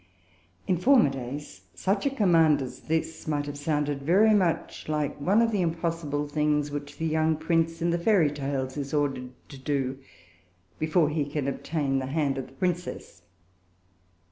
In former days, such a command as this might have sounded very much like one of the impossible things which the young Prince in the Fairy Tales is ordered to do before he can obtain the hand of the Princess.